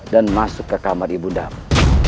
dan masuk ke kamar ibundamu